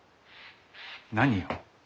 何を？